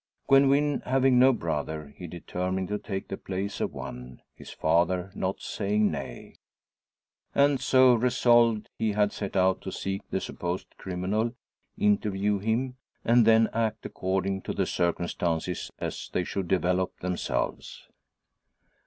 Gwen Wynn having no brother, he determined to take the place of one, his father not saying nay. And so resolved he had set out to seek the supposed criminal, "interview" him, and then act according to the circumstances, as they should develop themselves.